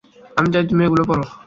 আমি চাই তুমি এগুলো পরো।